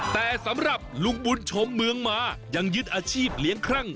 แต่สำหรับลุงบุญชมเมืองมายังยึดอาชีพเลี้ยงครั่ง